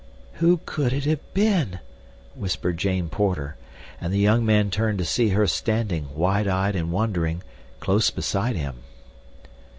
"Who could it have been?" whispered Jane Porter, and the young man turned to see her standing, wide eyed and wondering, close beside him.